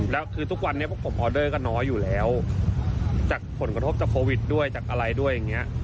แล้วคือทุกวันนี้พวกผมออเดอร์ก็น้อยอยู่แล้วจากผลกระทบจากโควิดด้วยจากอะไรด้วยอย่างนี้